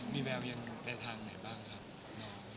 มีแบบยังใกล้ทางไหนบ้างค่ะ